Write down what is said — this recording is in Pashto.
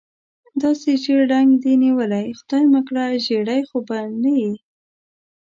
داسې ژېړ رنګ دې نیولی، خدای مکړه زېړی خو به نه یې؟